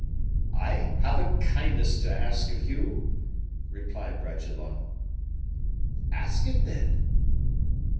"I have a kindness to ask of you," replied Bragelonne. "Ask it, then."